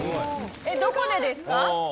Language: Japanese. えっどこでですか？